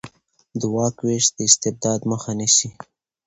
د واک وېش د استبداد مخه نیسي